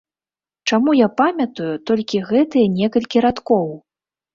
Чаму я памятаю толькі гэтыя некалькі радкоў?